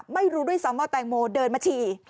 ไม่รู้ด้วยซ้ำว่าแตงโมเดินมาฉี่